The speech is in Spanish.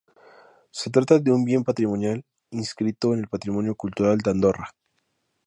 Se trata de un bien patrimonial inscrito en el Patrimonio Cultural de Andorra.